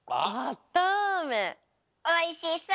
おいしそう！